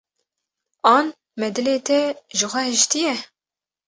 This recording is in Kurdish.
an me dilê te ji xwe hîştî ye.